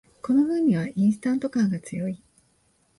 この風味はインスタント感が強い